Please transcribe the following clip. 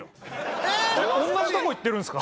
同じとこ行ってるんですか？